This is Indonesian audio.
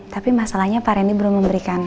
tapi masalahnya pak reni belum memberikan